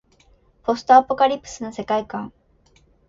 ポストアポカリプスの世界観